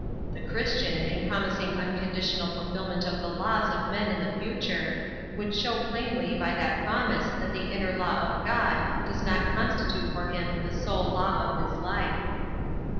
The Christian, in promising unconditional fulfillment of the laws of men in the future, would show plainly by that promise that the inner law of God does not constitute for him the sole law of his life.